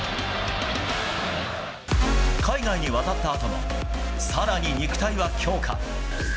海外に渡ったあとも、さらに肉体は強化。